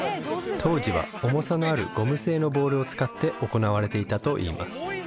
当時は重さのあるゴム製のボールを使って行われていたといいます